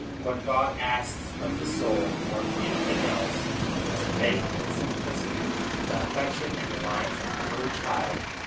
What God asks of the soul more than anything else is faith and simplicity, the affection and reliance of the little child.